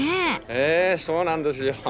ええそうなんですよ。